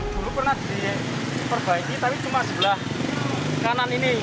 dulu pernah diperbaiki tapi cuma sebelah kanan ini